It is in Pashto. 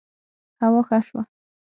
هوا ښه شوه